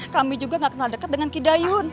kami juga gak kenal dekat dengan kidayun